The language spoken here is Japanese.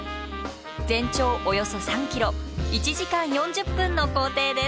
全長およそ３ｋｍ１時間４０分の行程です。